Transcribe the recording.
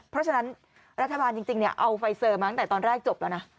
เพราะฉะนั้นรัฐบาลจริงเอาไฟเซอร์มาตั้งแต่ตอนแรกจบแล้วนะ